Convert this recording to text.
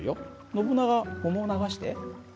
ノブナガ桃を流して。